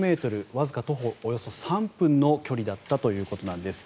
わずか、徒歩およそ３分の距離だったということなんです。